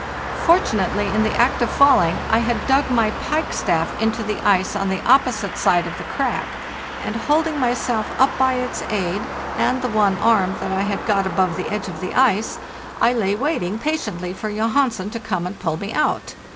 Fortunately, in the act of falling, I had dug my pikestaff into the ice on the opposite side of the crack, and, holding myself up by its aid and the one arm that I had got above the edge of the ice, I lay waiting patiently for Johansen to come and pull me out.